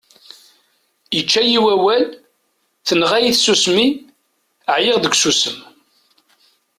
Ičča-yi wawal, tenɣa-yi tsusmi, εyiɣ deg uxemmem.